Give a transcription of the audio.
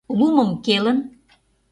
Лумым келын, —